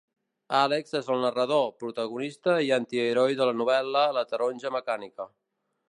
Alex és el narrador, protagonista i antiheroi en la novel·la "La taronja mecànica".